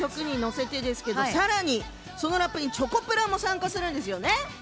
この曲に乗せてそのラップにチョコプラも参加するんですよね？